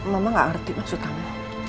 mama gak ngerti maksud kami